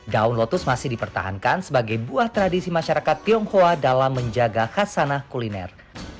daun lotus masih dipertahankan sebagai buah tradisi masyarakat tionghoa dalam menjaga khasana kuliner